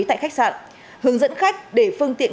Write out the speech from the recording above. tại khách sạn hướng dẫn khách để phương tiện